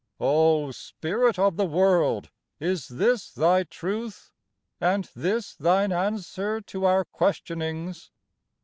O Spirit of the world, is this thy truth, And this thine answer to our questionings?